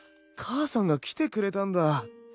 母さんが来てくれたんだ。